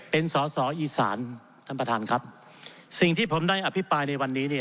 เป็นสอสออีสานท่านประธานครับสิ่งที่ผมได้อภิปรายในวันนี้เนี่ย